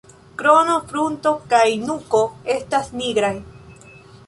Krono, frunto kaj nuko estas nigraj.